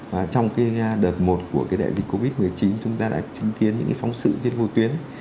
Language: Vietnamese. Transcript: và trong cái đợt một của cái đại dịch covid một mươi chín chúng ta đã chứng kiến những cái phóng sự trên vô tuyến